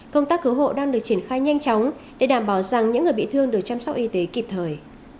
công tác cứu hộ đang được triển khai nhanh chóng để đảm bảo rằng những người bị thương được chăm sóc y tế kịp thời